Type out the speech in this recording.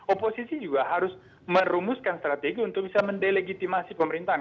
oposisi juga harus merumuskan strategi untuk bisa mendelegitimasi pemerintahan